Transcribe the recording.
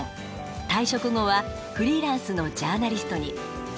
退職後はフリーランスのジャーナリストに。